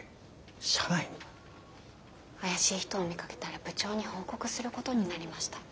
怪しい人を見かけたら部長に報告することになりました。